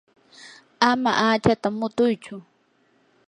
ama hachata mutuychu.